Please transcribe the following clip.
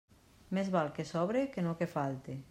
Més val que sobre que no que falte.